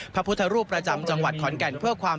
พระพุทธรูปประจำจังหวัดขอนแก่นเพื่อความ